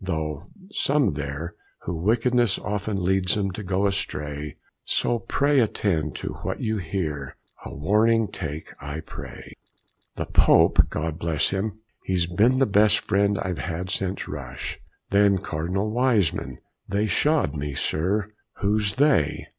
Though some there, who wickedness Oft leads 'em to go astray; So pray attend to what you hear. And a warning take I pray. "The Pope, God bless him! he's been the best friend I've had since Rush. Then Cardinal Wiseman. They shod me, sir." "Who's they!"